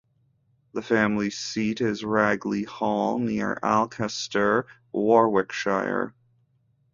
The family seat is Ragley Hall, near Alcester, Warwickshire.